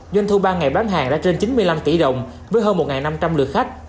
doanh thu ba ngày bán hàng đã trên chín mươi năm tỷ đồng với hơn một năm trăm linh lượt khách